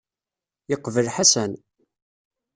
Yeqbel Ḥasan.